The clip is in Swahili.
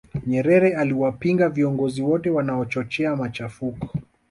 nyerere aliwapinga viongozi wote wanaochochea machafuko